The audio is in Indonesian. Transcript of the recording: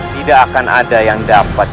tidak akan ada yang dapat